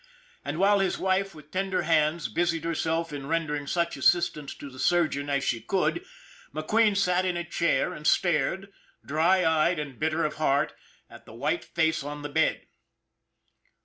And while his wife with tender hands busied herself in render ing such assistance to the surgeon as she could, Mc Queen sat in a chair and stared, dry eyed and bitter of heart, at the white face on the bed.